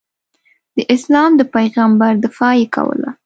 د اسلام د پیغمبر دفاع یې کوله.